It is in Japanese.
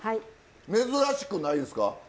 珍しくないですか？